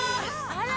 あら！